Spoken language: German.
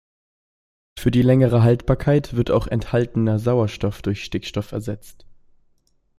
Für die längere Haltbarkeit wird auch enthaltener Sauerstoff durch Stickstoff ersetzt.